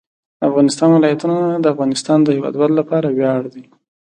د افغانستان ولايتونه د افغانستان د هیوادوالو لپاره ویاړ دی.